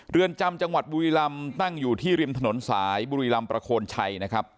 เรือนจำจังหวัดบุรีลำตั้งอยู่ที่ริมถนนสายบุรีลำประโคนชัยนะครับ